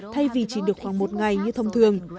thay vì chỉ được khoảng một ngày như thông thường